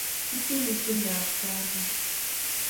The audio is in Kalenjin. Kiteini tiendab kaa kaa